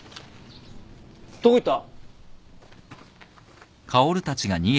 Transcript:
どこいった？